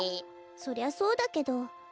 そりゃそうだけど。